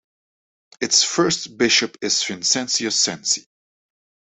Its first bishop is Vincentius Sensi.